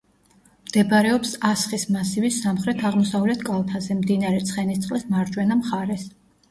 მდებარეობს ასხის მასივის სამხრეთ-აღმოსავლეთ კალთაზე, მდინარე ცხენისწყლის მარჯვენა მხარეს.